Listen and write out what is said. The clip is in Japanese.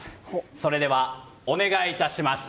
それではお願いします。